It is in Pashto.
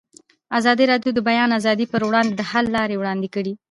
ازادي راډیو د د بیان آزادي پر وړاندې د حل لارې وړاندې کړي.